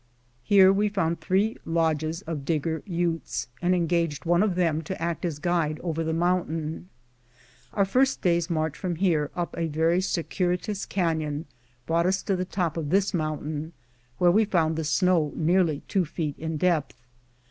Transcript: Here we found three lodges of Digger Utes, and engaged one of them to act as guide over the mountain. Our first day's march from here up a very cir cuitous cauou brought us to the top of this mountain, where we found the snow nearly two feet in depth.